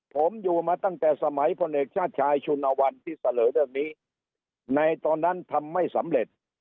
ผมอยู่มาตั้งแต่สมัยพลเอกชาติชายชุนวันที่เสนอเรื่องนี้ในตอนนั้นทำไม่สำเร็จ